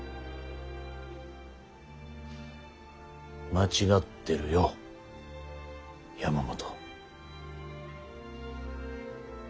間違ってるよ山本。